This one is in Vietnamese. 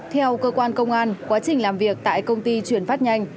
theo cơ quan công an quá trình làm việc tại công ty chuyển phát nhanh